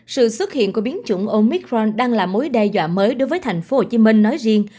sự xuất hiện của biến chủng omicron đang là mối đe dọa mới đối với thành phố hồ chí minh nói riêng